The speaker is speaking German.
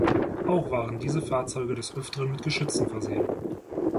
Auch waren diese Fahrzeuge des Öfteren mit Geschützen versehen.